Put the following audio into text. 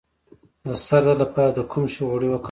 د سر درد لپاره د کوم شي غوړي وکاروم؟